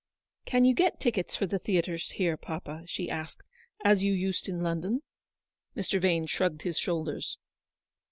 " Can you get tickets for the theatres here, papa," she asked, "as you used in London ?" Mr. Vane shrugged his shoulders.